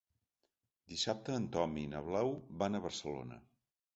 Dissabte en Tom i na Blau van a Barcelona.